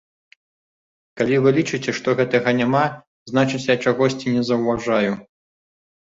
Калі вы лічыце, што гэтага няма, значыць, я чагосьці не заўважаю.